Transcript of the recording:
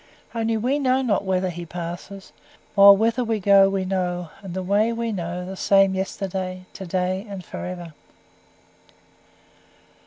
Only we know not whither he passes; while whither we go we know, and the Way we know the same yesterday, to day, and for ever."